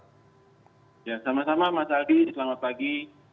ya sama sama mas aldi selamat pagi